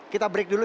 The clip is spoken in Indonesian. kita break dulu